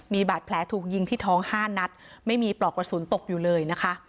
มีบาดแผลถูกยิงที่ท้อง๕นัดไม่มีปลอกกระสุนตกอยู่เลยนะคะ